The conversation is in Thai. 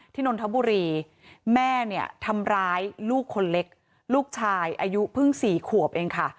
นนทบุรีแม่เนี่ยทำร้ายลูกคนเล็กลูกชายอายุเพิ่ง๔ขวบเองค่ะ